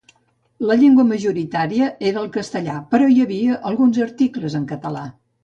La llengua majoritària era el castellà, però hi havia alguns articles en català.